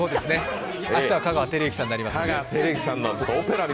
明日は香川照之さんになりますので。